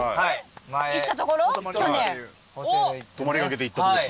泊まりがけで行ったとこですね。